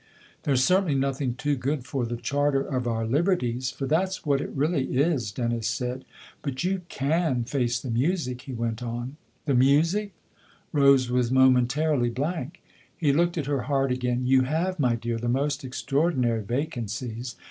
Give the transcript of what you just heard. "There's certainly nothing too good for the charter of our liberties for that's what it really is," Dennis said. " But you can face the music ?" he went on. 68 THE OTHER HOUSE " The music ? "Rose was momentarily blank. He looked at her hard again. " You have, my dear, the most extraordinary vacancies.